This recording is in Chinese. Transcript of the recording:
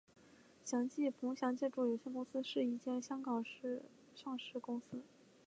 祥记冯祥建筑有限公司是一间香港前上市公司。